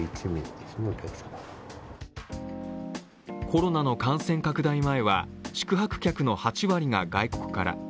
コロナの感染拡大前は、宿泊客の８割が外国から。